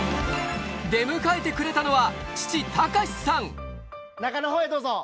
出迎えてくれたのは中の方へどうぞ！